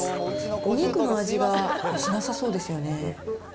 お肉の味がしなさそうですよね。